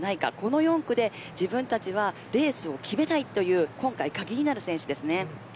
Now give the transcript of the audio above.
この４区で自分たちはレースを決めたいと今回鍵になる選手です。